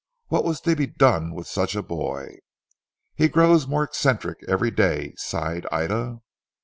What was to be done with such a boy. "He grows more eccentric every day," sighed Ida.